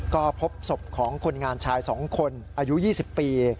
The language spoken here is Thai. ก็พบศพของคนงานชาย๒คนอายุ๒๐ปี